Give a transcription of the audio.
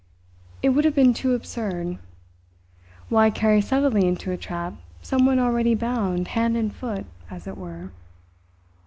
It would have been too absurd. Why carry subtly into a trap someone already bound hand and foot, as it were?